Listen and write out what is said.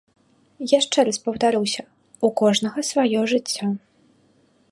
Яшчэ раз паўтаруся, у кожнага сваё жыццё.